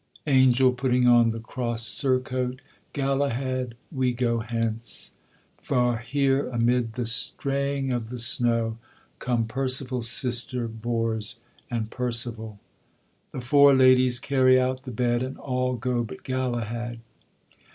ANGEL, putting on the crossed surcoat. Galahad, we go hence, For here, amid the straying of the snow, Come Percival's sister, Bors, and Percival. [The Four Ladies carry out the bed, and all go but Galahad.